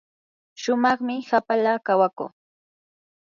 shumaqmi hapala kawakuu.